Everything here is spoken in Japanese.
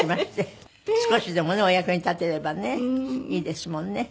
少しでもねお役に立てればねいいですもんね。